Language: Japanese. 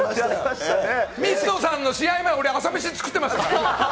水野さんの試合前、俺、朝飯作ってましたから。